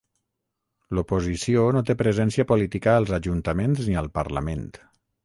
L'oposició no té presència política als ajuntaments ni al Parlament.